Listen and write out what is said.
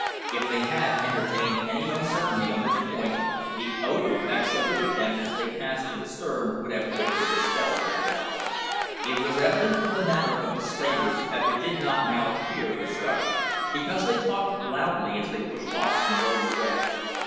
If they had entertained any uncertainty on this point, the odour that saluted them as they passed to the stern would have quickly dispelled their doubts. It was evident from the manner of the slavers that they did not now fear discovery, because they talked loudly as they pushed off and rowed away.